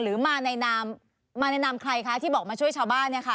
หรือมาในนามมาในนามใครคะที่บอกมาช่วยชาวบ้าน